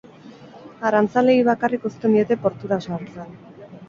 Arrantzaleei bakarrik uzten diete portura sartzen.